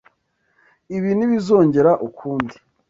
Ibi ntibizongera ukundi.